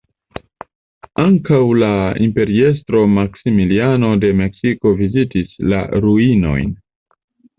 Ankaŭ la imperiestro Maksimiliano de Meksiko vizitis la ruinojn.